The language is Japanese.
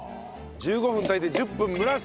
１５分炊いて１０分蒸らす。